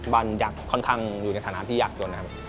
บ้านอยากค่อนข้างอยู่ในฐานะที่อยากอยู่นะครับ